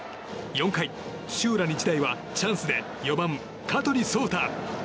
４回、土浦日大はチャンスで４番、香取蒼太。